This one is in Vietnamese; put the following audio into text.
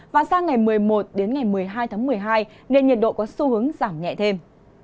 và sang ngày một mươi một đến ngày một mươi hai tháng một mươi hai nên nhiệt độ có xu hướng giảm nhẹ thêm